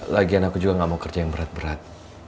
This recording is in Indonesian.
lagian aku juga gak mau kerja yang berat berat